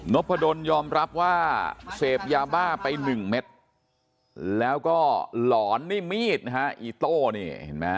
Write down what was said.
พะดนยอมรับว่าเสพยาบ้าไปหนึ่งเม็ดแล้วก็หลอนนี่มีดนะฮะอีโต้นี่เห็นไหม